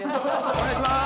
お願いします。